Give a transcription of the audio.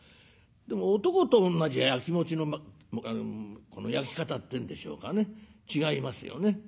でも男と女じゃやきもちのこのやき方っていうんでしょうかね違いますよね。